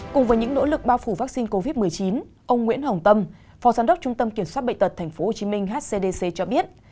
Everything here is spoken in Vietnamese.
cùng với những nỗ lực bao phủ vaccine covid một mươi chín ông nguyễn hồng tâm phó giám đốc trung tâm kiểm soát bệnh tật tp hcm hcdc cho biết